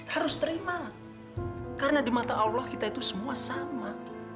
harus terima karena di mata allah kita itu semua sama